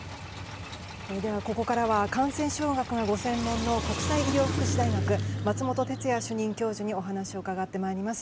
ここからは感染症学がご専門の国際医療福祉大学松本哲哉主任教授にお話を伺ってまいります。